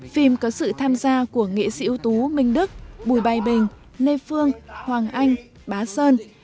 phim có sự tham gia của nghệ sĩ ưu tú minh đức bùi bài bình lê phương hoàng anh bá sơn